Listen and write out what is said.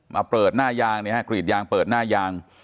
มาเปิดหน้ายางเนี่ยฮะกรีดยางเปิดหน้ายาง